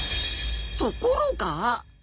ところが！